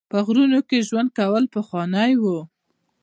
په غارونو کې ژوند کول پخوانی و